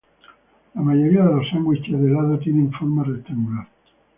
La mayoría de los sándwiches de helado tienen forma rectangular.